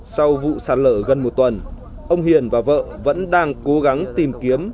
sau vụ sạt lở gần một tuần ông hiền và vợ vẫn đang cố gắng tìm kiếm